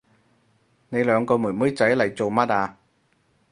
你兩個妹妹仔嚟做乜啊？